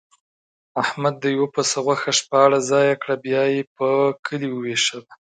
احمد د یوه پسه غوښه شپاړس ځایه کړه، بیا یې په کلي ووېشله.